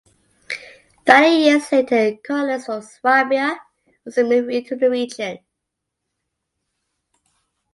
Thirty years later colonists from Swabia also moved into the region.